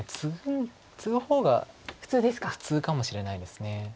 ツグ方が普通かもしれないです。